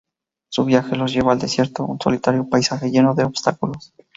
Su viaje los lleva al Desierto, un solitario paisaje lleno de obstáculos.